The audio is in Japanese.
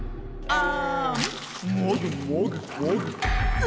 ああ。